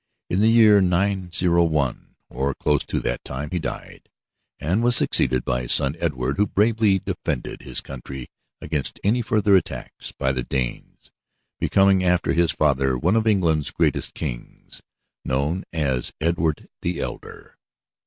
In the year 901 or close to that time he died, and was succeeded by his son, Edward, who bravely defended his country against any further attacks by the Danes, becoming after his father, one of England's greatest kings, known as Edward the Elder.